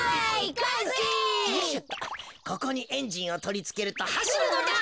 ここにエンジンをとりつけるとはしるのだ。